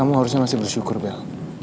kamu harusnya masih bersyukur bel